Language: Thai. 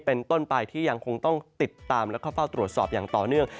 เป็นต้นไปที่ยังคงต้องติดตามแล้วก็เฝ้าตรวจสอบอย่างต่อเนื่อง